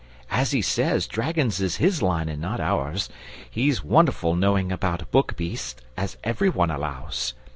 "As he says, dragons is his line and not ours. He's wonderful knowing about book beasts, as every one allows.